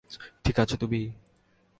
ঠিক আছ তুমি?